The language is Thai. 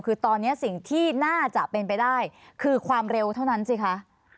คือตอนนี้สิ่งที่น่าจะเป็นไปได้คือความเร็วเท่านั้นสิคะ